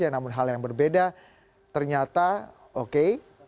namun hal yang berbeda ternyata oke